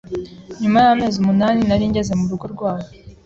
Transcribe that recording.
nyuma y’amezi umunani nari ngeze mu rugo rwabo